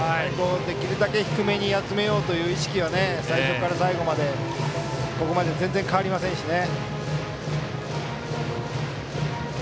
できるだけ低めに集めようという意識は最初から最後まで全然変わりませんしね。